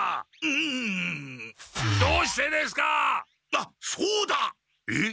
あっそうだ！えっ？